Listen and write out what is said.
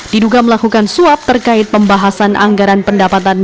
diduga melakukan suap terkait pembahasan anggaran pendapatan